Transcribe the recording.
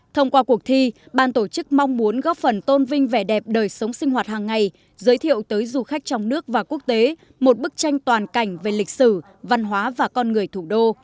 thông qua cuộc thi ban tổ chức mong muốn góp phần tôn vinh vẻ đẹp đời sống sinh hoạt hàng ngày giới thiệu tới du khách trong nước và quốc tế một bức tranh toàn cảnh về lịch sử văn hóa và con người thủ đô